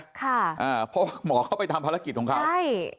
เพราะว่าหมอเขาไปทำภารกิจของเขาใช่